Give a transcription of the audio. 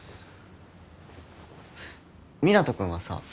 湊斗君はさ。